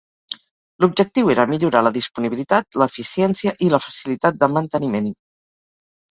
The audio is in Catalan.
L'objectiu era millorar la disponibilitat, l'eficiència i la facilitat de manteniment.